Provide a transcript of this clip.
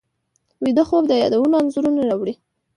ویده خوب د یادونو انځورونه راوړي